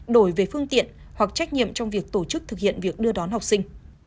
đổi về phương tiện hoặc trách nhiệm trong việc tổ chức thực hiện việc đưa đón học sinh